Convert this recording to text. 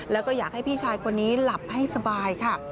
แล้วก็อยากให้พี่ชายคนนี้หลับให้สบายค่ะ